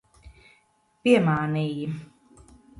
Piemānīji.